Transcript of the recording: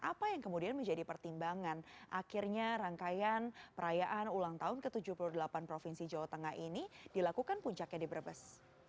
apa yang kemudian menjadi pertimbangan akhirnya rangkaian perayaan ulang tahun ke tujuh puluh delapan provinsi jawa tengah ini dilakukan puncaknya di brebes